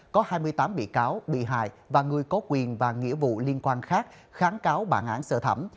có hai mươi tám bị cáo bị hại và người có quyền và nghĩa vụ liên quan khác kháng cáo bản án sơ thẩm